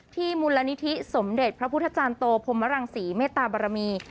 มูลนิธิสมเด็จพระพุทธจารย์โตพรมรังศรีเมตตาบรมี